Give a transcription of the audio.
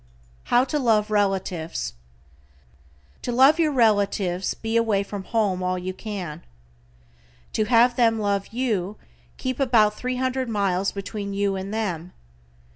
=HOW TO LOVE RELATIVES:= To love your relatives be away from home all you can. To have them love you keep about three hundred miles between you and them.